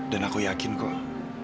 dan aku yakin kok